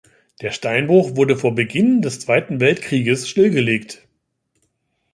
Der Steinbruch wurde vor Beginn des Zweiten Weltkrieges stillgelegt.